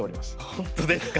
本当ですか？